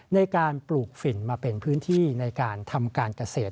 ในการปลูกฝิ่นมาเป็นพื้นที่ในการทำการเกษตร